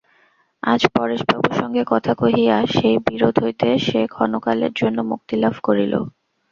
আজ পরেশবাবুর সঙ্গে কথা কহিয়া সেই বিরোধ হইতে সে ক্ষণকালের জন্য মুক্তিলাভ করিল।